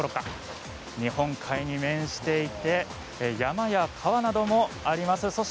日本海に面していて山や川などもあります。